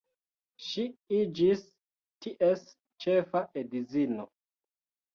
Ŝi iĝis ties ĉefa edzino.